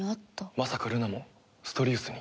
まさかルナもストリウスに。